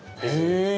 へえ。